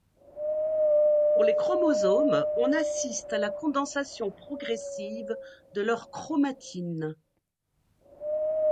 Pour les chromosomes, on assiste à la condensation progressive de leur chromatine.